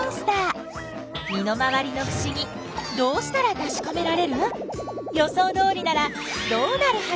身の回りのふしぎどうしたらたしかめられる？予想どおりならどうなるはず？